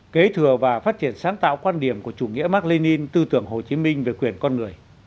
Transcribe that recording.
kế thừa và phát triển sáng tạo quan điểm của chủ nghĩa mark lenin tư tưởng hồ chí minh về quyền con người